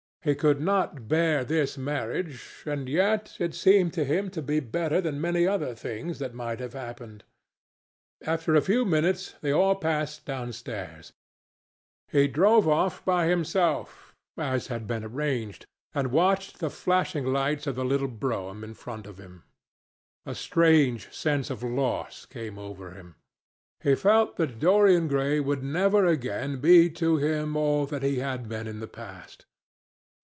He could not bear this marriage, and yet it seemed to him to be better than many other things that might have happened. After a few minutes, they all passed downstairs. He drove off by himself, as had been arranged, and watched the flashing lights of the little brougham in front of him. A strange sense of loss came over him. He felt that Dorian Gray would never again be to him all that he had been in the past.